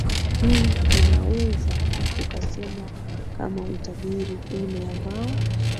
hii tunaweza tukasema kama utabiri ule ambao